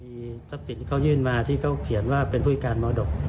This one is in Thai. มีทรัพย์สินที่เขายื่นมาที่เขาเขียนว่าเป็นผู้พิการมรดก